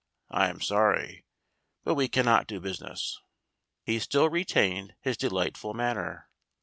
I am sorry, but we cannot do business." He still retained his delightful manner.